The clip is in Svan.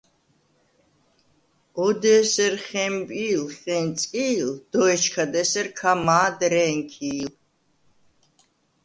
ოდ’ ე̄სერ ხე̄მპი̄ლ, ხე̄ნწკი̄ლ, დო ეჩქად ესერ ქა მა̄დ რე̄ნქი̄ლ.